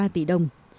sáu ba tỷ đồng